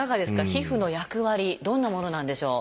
皮膚の役割どんなものなんでしょう？